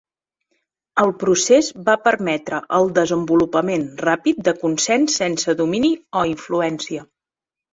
El procés va permetre el desenvolupament ràpid de consens sense domini o influència.